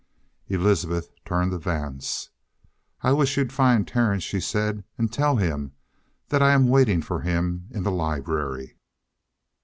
Elizabeth turned to Vance. "I wish you'd find Terence," she said, "and tell him that I'm waiting for him in the library."